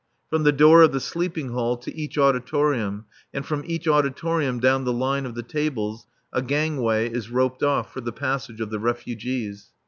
From the door of the sleeping hall to each auditorium, and from each auditorium down the line of the tables a gangway is roped off for the passage of the refugees.